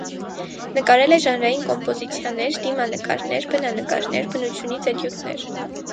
Նկարել է ժանրային կոմպոզիցիաներ, դիմանկարներ, բնանկարներ, բնությունից էտյուդներ։